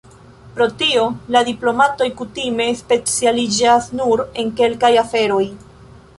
Pro tio, la diplomatoj kutime specialiĝas nur en kelkaj aferoj.